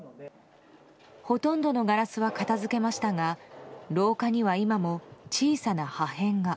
ほとんどのガラスは片づけましたが廊下には今も小さな破片が。